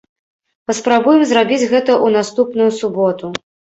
Паспрабуем зрабіць гэта ў наступную суботу!